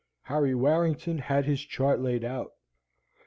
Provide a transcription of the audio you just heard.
Harry Warrington had his chart laid out.